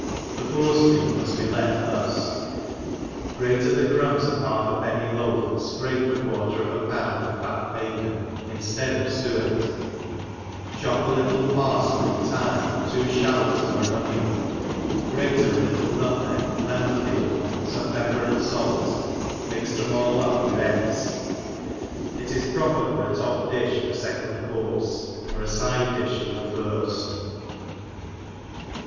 — The forcemeat mud be made thus : grate the crumbs of half a penny loaf, and fcrape a quar« ter of a pound of fat bacon, inftead of fuet, chop a little parfley, thyme, two (halots pr an onion, grate a little nutmeg, lemon peel, fome pepper and fait, mix them all up with eggs. It is proper for a top difti for a fecond courfe, or a fide difh for the firft.